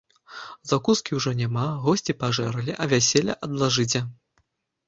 Закускі ўжо няма, госці пажэрлі, а вяселле адлажыце.